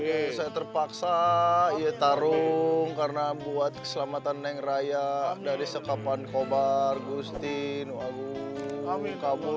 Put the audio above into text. ini saya terpaksa ya tarung karena buat keselamatan naik raya dari sekapan kobar gusti nusantara